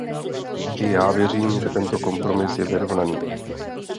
I já věřím, že tento kompromis je vyrovnaný.